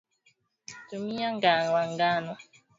Tumia nga wa ngano